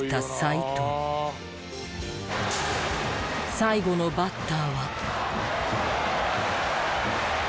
最後のバッターは。